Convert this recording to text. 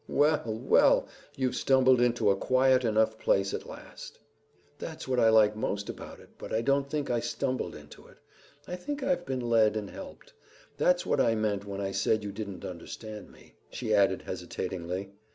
"Well, well! You've stumbled into a quiet enough place at last." "That's what I like most about it, but I don't think I stumbled into it. I think I've been led and helped. That's what I meant when I said you didn't understand me," she added hesitatingly.